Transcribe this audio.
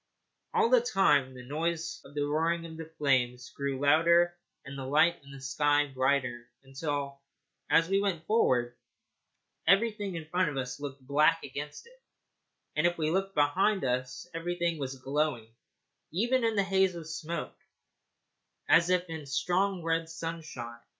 All the time the noise of the roaring of the flames grew louder and the light in the sky brighter, until, as we went forward, everything in front of us looked black against it, and if we looked behind us everything was glowing, even in the haze of smoke, as if in strong red sunshine.